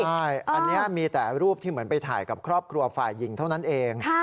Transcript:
ใช่อันนี้มีแต่รูปที่เหมือนไปถ่ายกับครอบครัวฝ่ายหญิงเท่านั้นเอง